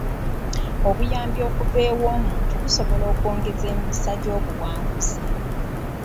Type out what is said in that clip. Obuyambi okuva ew'omuntu busobola okwongeza emikisa gy'obuwanguzi.